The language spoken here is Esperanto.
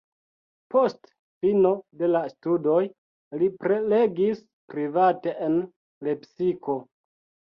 Post fino de la studoj li prelegis private en Lepsiko.